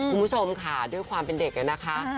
คุณผู้ชมค่ะด้วยความเป็นเด็กนะคะ